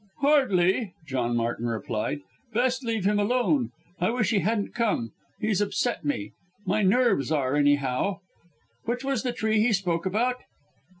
"Hardly!" John Martin replied, "best leave him alone. I wish he hadn't come! He's upset me! My nerves are anyhow! Which was the tree he spoke about?"